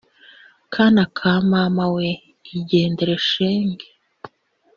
kana ka mama we igendere shenge